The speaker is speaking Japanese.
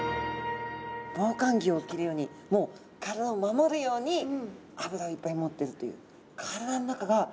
防寒着を着るようにもう体を守るように脂をいっぱい持ってるという。